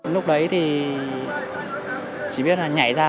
lúc đấy thì chỉ biết là nhảy ra